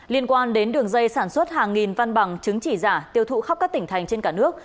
liên quan đến đường dây sản xuất hàng nghìn văn bằng chứng chỉ giả tiêu thụ khắp các tỉnh thành trên cả nước